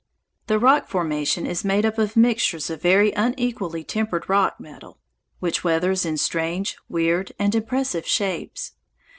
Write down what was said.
The rock formation is made up of mixtures of very unequally tempered rock metal, which weathers in strange, weird, and impressive shapes.